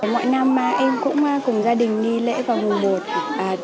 mỗi năm em cũng cùng gia đình đi lễ vào mùa một